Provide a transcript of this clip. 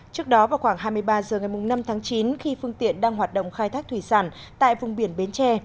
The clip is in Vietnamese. trước đó vào khoảng hai mươi ba h ngày năm tháng chín khi phương tiện đang hoạt động khai thác thủy sản tại vùng biển bến tre